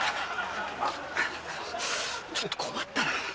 ちょっと困ったなぁ。